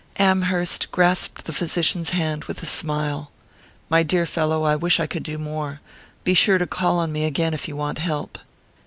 Amherst grasped the physician's hand with a smile. "My dear fellow, I wish I could do more. Be sure to call on me again if you want help."